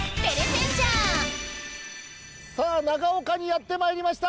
さあ長岡にやってまいりました！